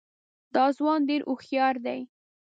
دا ځوان ډېر هوښیار دی.